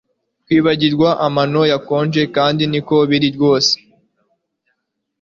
Kwibagirwa amano yakonje kandi niko biri rwose